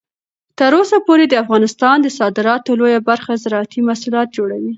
تر اوسه پورې د افغانستان د صادراتو لویه برخه زراعتي محصولات جوړوي.